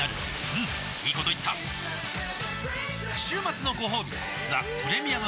うんいいこと言った週末のごほうび「ザ・プレミアム・モルツ」